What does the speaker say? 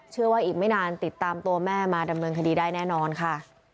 เชื่อว่าอีกไม่นานติดตามตัวแม่มาดำเนินคดีได้แน่นอนค่ะ